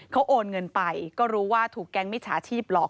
เขาโอนเงินไปก็รู้ว่าถูกแก๊งมิจฉาชีพหลอก